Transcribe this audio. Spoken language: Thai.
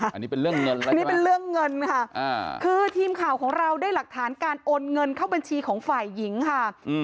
อันนี้เป็นเรื่องเงินคือทีมข่าวของเราได้หลักฐานการโอนเงินเข้าบัญชีของฝ่ายหญิงค่ะ